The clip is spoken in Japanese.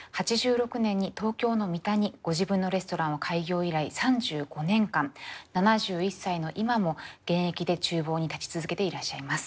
８６年に東京の三田にご自分のレストランを開業以来３５年間７１歳の今も現役で厨房に立ち続けていらっしゃいます。